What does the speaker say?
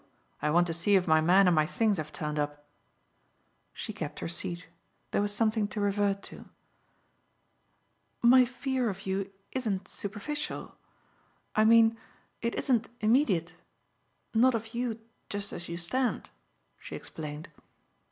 I want to see if my man and my things have turned up." She kept her seat; there was something to revert to. "My fear of you isn't superficial. I mean it isn't immediate not of you just as you stand," she explained.